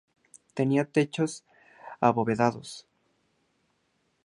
Tenían techos abovedados.